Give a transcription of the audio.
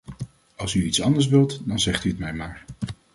Als u iets anders wilt, dan zegt u het mij maar.